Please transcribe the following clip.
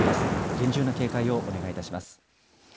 厳重な警戒をお願いいたします。